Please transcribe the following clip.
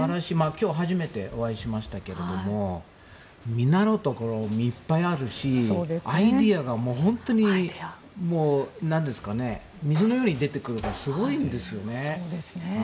今日、初めてお会いしましたけど見習うところいっぱいあるしアイデアが本当に水のように出てくるからすごいんですよね。